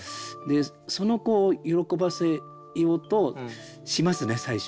その子を喜ばせようとしますね最初。